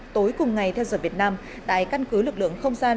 tối cùng ngày theo giờ việt nam tại căn cứ lực lượng không gian